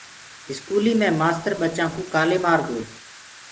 اسڪولي مي مآستر ٻچآئون ڪآلي مآردوئي